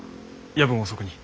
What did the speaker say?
夜分遅くに。